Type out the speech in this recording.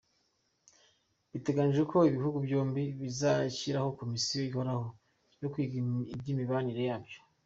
Biteganijwe ko ibihugu byombi bizashyiraho Komisiyo ihoraho yo kwiga iby’imibanire yabyo.